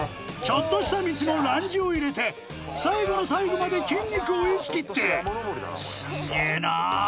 ちょっとした道もランジを入れて最後の最後まで筋肉を意識！ってすんげぇな